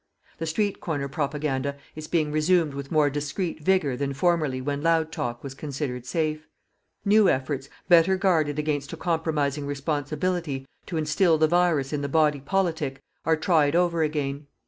The street corner propaganda is being resumed with more discreet vigour than formerly when loud talk was considered safe. New efforts, better guarded against a compromising responsibility, to instil the virus in the body politic, are tried over again.